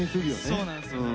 そうなんですよね。